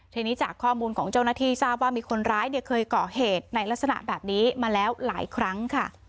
ทีนี้จากข้อมูลของเจ้าหน้าที่ทราบว่ามีคนร้ายเคยก่อเหตุในลักษณะแบบนี้มาแล้วหลายครั้งค่ะ